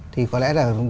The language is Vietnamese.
thì có lẽ là